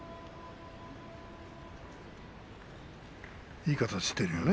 いい形をしているよね